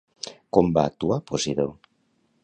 Com va actuar Posidó?